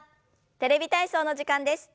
「テレビ体操」の時間です。